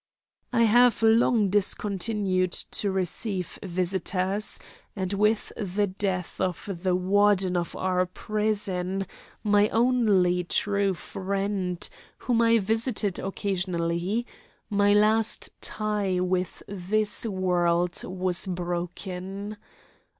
I have long discontinued to receive visitors, and with the death of the Warden of our prison, my only true friend, whom I visited occasionally, my last tie with this world was broken.